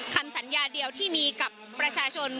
คำสัญญาเดียวที่มีกับประชาชน